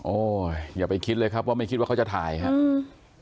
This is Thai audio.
อย่าไปคิดเลยครับว่าไม่คิดว่าเขาจะถ่ายครับ